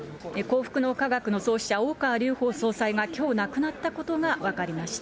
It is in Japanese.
幸福の科学の創始者、大川隆法総裁が、きょう亡くなったことが分かりました。